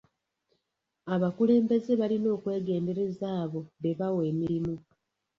Abakulembeze balina okwegendereza abo be bawa emirimu.